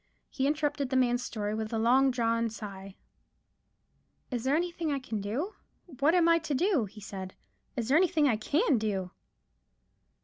He interrupted the man's story with a long drawn sigh,— "Is there anything I can do? What am I to do?" he said. "Is there anything I can do?"